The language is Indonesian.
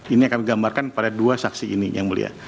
ini yang kami gambarkan kepada dua saksi ini yang mulia